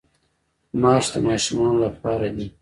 ماش د ماشومانو لپاره دي.